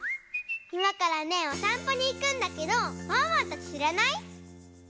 いまからねおさんぽにいくんだけどワンワンたちしらない？